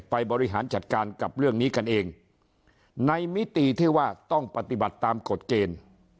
บริหารจัดการกับเรื่องนี้กันเองในมิติที่ว่าต้องปฏิบัติตามกฎเกณฑ์